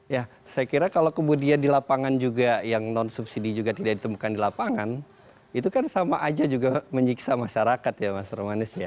ya saya kira kalau kemudian di lapangan juga yang non subsidi juga tidak ditemukan di lapangan itu kan sama aja juga menyiksa masyarakat ya mas romanis ya